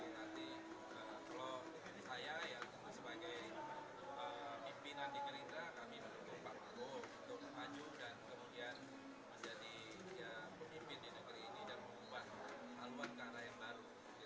nanti kalau saya ya sebagai pimpinan di kerajaan kami memiliki empat tahun untuk maju dan kemudian menjadi pemimpin di negeri ini dan membuat aluan ke arah yang baru